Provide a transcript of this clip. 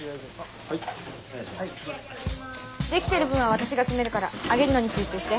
出来てる分は私が詰めるから揚げるのに集中して。